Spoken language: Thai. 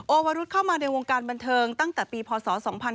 วรุธเข้ามาในวงการบันเทิงตั้งแต่ปีพศ๒๕๕๙